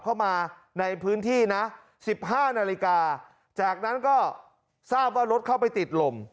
เข้ามาในพื้นที่นะ๑๕นาฬิกาจากนั้นก็ทราบว่ารถเข้าไปติดลม